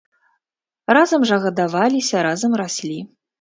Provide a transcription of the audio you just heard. Разам жа гадаваліся, разам раслі.